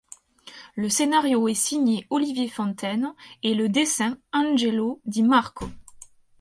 Le scénario est signé Oliver Fontaine et le dessin Angelo Di Marco.